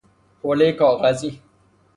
حولهی کاغذی